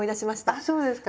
あそうですか。